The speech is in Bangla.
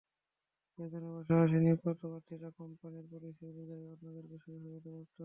বেতনের পাশাপাশি নিয়োগপ্রাপ্ত প্রার্থীরা কোম্পানির পলিসি অনুযায়ী অন্যান্য সুযোগ-সুবিধা প্রাপ্ত হবেন।